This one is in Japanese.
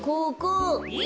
え？